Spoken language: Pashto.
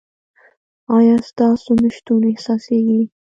ایا ستاسو نشتون احساسیږي؟